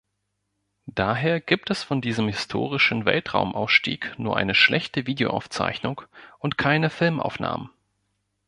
Daher gibt es von diesem historischen Weltraumausstieg nur eine schlechte Videoaufzeichnung und keine Filmaufnahmen.